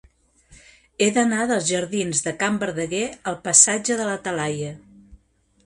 He d'anar dels jardins de Can Verdaguer al passatge de la Talaia.